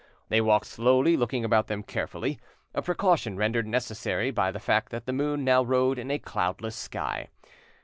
They walked slowly, looking about them carefully, a precaution rendered necessary by the fact that the moon now rode in a cloudless sky.